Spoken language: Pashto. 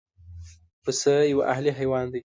پسه یو اهلي حیوان دی.